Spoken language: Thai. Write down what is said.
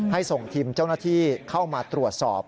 ส่งทีมเจ้าหน้าที่เข้ามาตรวจสอบ